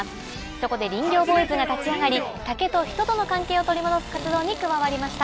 そこで林業ボーイズが立ち上がり竹と人との関係を取り戻す活動に加わりました。